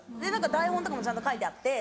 台本とかもちゃんと書いてあって。